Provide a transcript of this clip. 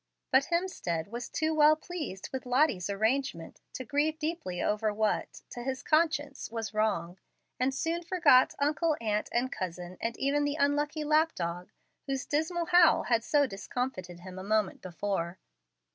But Hemstead was too well pleased with Lottie's arrangement to grieve deeply over what, to his conscience, was wrong, and soon forgot uncle, aunt, and cousin, and even the unlucky lap dog, whose dismal howl had so discomfited him a moment before.